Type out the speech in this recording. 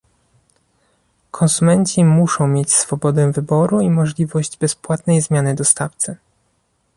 Konsumenci muszą mieć swobodę wyboru i możliwość bezpłatnej zmiany dostawcy